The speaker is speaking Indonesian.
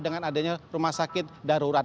dengan adanya rumah sakit darurat